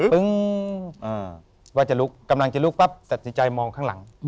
พึงกำลังจากลุกถ้าศิษยามองข้างหลัง